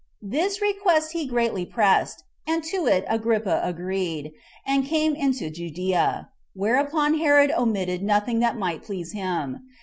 This request he greatly pressed, and to it Agrippa agreed, and came into Judea; whereupon Herod omitted nothing that might please him.